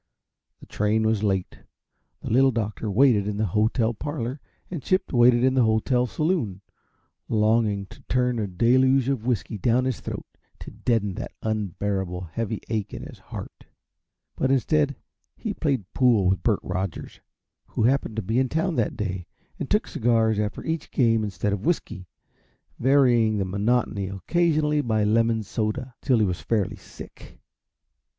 The train was late. The Little Doctor waited in the hotel parlor, and Chip waited in the hotel saloon, longing to turn a deluge of whisky down his throat to deaden that unbearable, heavy ache in his heart but instead he played pool with Bert Rogers, who happened to be in town that day, and took cigars after each game instead of whiskey, varying the monotony occasionally by lemon soda, till he was fairly sick.